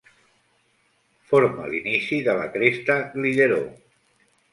Forma l'inici de la cresta Glyderau.